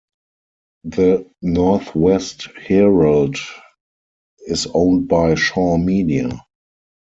The Northwest Herald is owned by Shaw Media.